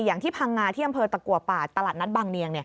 พังงาที่อำเภอตะกัวป่าตลาดนัดบางเนียง